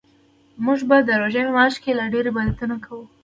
موږ به د روژې په میاشت کې لا ډیرعبادتونه کوو